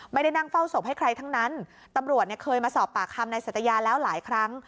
ไม่ได้นั่งเฝ้าศพให้ใครทั้งนั้นตำรวจเนี่ยเคยมาสอบปากคำในสัตยาแล้วหลายครั้ง